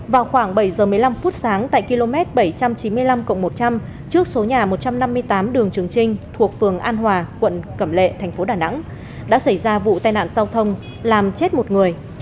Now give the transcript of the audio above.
vào khoảng bảy giờ một mươi năm phút sáng tại km bảy trăm chín mươi năm một trăm linh trước số nhà một trăm năm mươi tám đường trường trinh thuộc phường an hòa quận cẩm lệ thành phố đà nẵng đã xảy ra vụ tai nạn giao thông làm chết một người